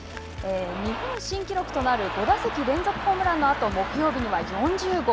日本新記録となる５打席連続ホームランのあと木曜日には４０号。